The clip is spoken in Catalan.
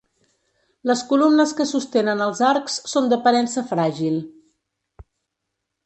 Les columnes que sostenen els arcs són d'aparença fràgil.